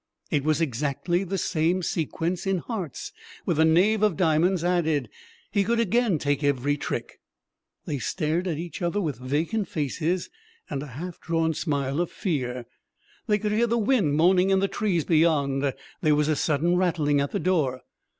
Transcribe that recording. It was exactly the same sequence in hearts, with the knave of diamonds added. He could again take every trick. They stared at each other with vacant faces and a half drawn smile of fear. They could hear the wind moaning in the trees beyond; there was a sudden rattling at the door.